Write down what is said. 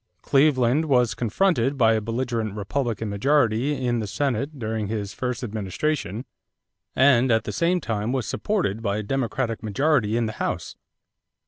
Cleveland was confronted by a belligerent Republican majority in the Senate during his first administration; and at the same time was supported by a Democratic majority in the House.